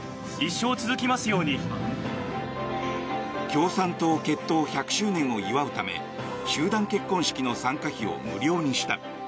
共産党結党１００周年を祝うため集団結婚式の参加費を無料にした。